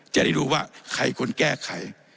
จะได้รู้ว่าใครคุณแก้ใคร